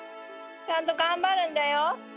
ちゃんと頑張るんだよ。